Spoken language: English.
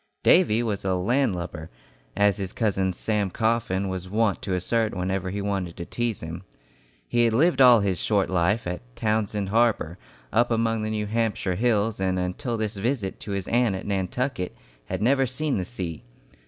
Davy was a "landlubber," as his cousin Sam Coffin was wont to assert whenever he wanted to tease him. He had lived all his short life at Townsend Harbor, up among the New Hampshire hills, and until this visit to his aunt at Nantucket, had never seen the sea.